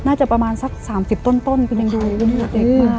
น่าจะประมาณสัก๓๐ต้นคุณยังดูเด็กมาก